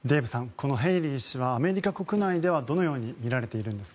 このヘイリー氏はアメリカ国内ではどのように見られているんですか？